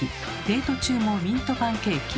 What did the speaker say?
デート中もミントパンケーキ。